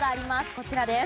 こちらです。